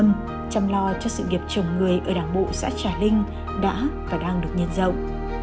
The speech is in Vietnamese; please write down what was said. tâm tâm chăm lo cho sự nghiệp trồng người ở đảng bộ xã trà linh đã và đang được nhận rộng